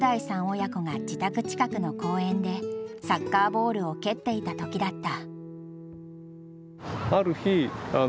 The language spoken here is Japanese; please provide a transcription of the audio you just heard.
親子が自宅近くの公園でサッカーボールを蹴っていた時だった。